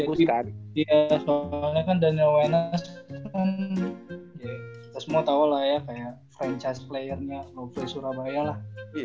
iya soalnya kan daniel wainas kan kita semua tau lah ya kayak franchise playernya lofres surabaya lah